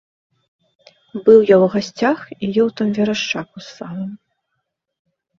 Быў я ў гасцях і еў там верашчаку з салам.